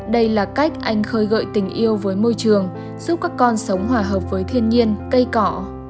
đây là cách anh khơi gợi tình yêu với môi trường giúp các con sống hòa hợp với thiên nhiên cây cọ